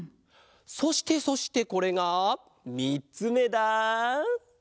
そしてそしてこれがみっつめだ！